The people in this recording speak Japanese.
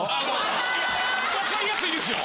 分かりやすいですよ！